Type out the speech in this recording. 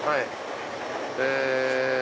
え。